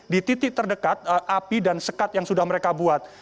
di titik terdekat api dan sekat yang sudah mereka buat